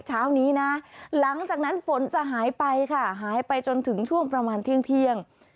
เช้านี้นะหลังจากนั้นฝนจะหายไปค่ะหายไปจนถึงช่วงประมาณเที่ยง